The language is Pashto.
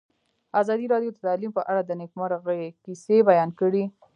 ازادي راډیو د تعلیم په اړه د نېکمرغۍ کیسې بیان کړې.